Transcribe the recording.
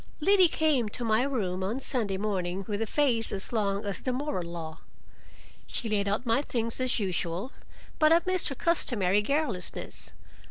Liddy came to my room on Sunday morning with a face as long as the moral law. She laid out my things as usual, but I missed her customary garrulousness.